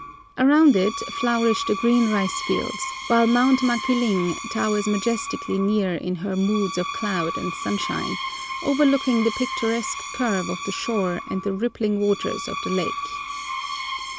Around it flourish the green rice fields, while Mount Makiling towers majestically near in her moods of cloud and sunshine, overlooking the picturesque curve of the shore and the rippling waters of the lake.